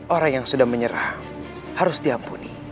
orang yang sudah menyerah harus diampuni